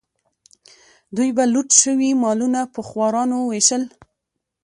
دوی به لوټ شوي مالونه په خوارانو ویشل.